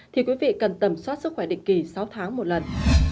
thì quý vị cần tầm soát sức khỏe định kỳ sáu tháng một lần